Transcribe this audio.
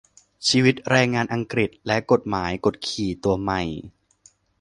ชีวิตแรงงานอังกฤษ และกฎหมายกดขี่ตัวใหม่